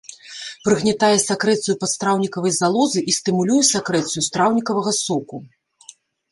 Прыгнятае сакрэцыю падстраўнікавай залозы і стымулюе сакрэцыю страўнікавага соку.